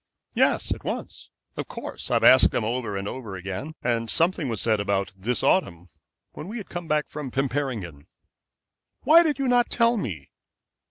"Yes, at once. Of course, I've asked them over and over again, and something was said about this autumn, when we had come back from Pimperingen." "Why did you not tell me?"